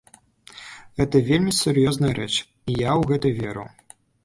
Гэта вельмі сур'ёзная рэч, і я ў гэта веру.